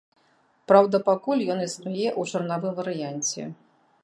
Праўда, пакуль ён існуе ў чарнавым варыянце.